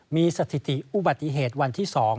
มีสถิติอุบัติเหตุวันที่๒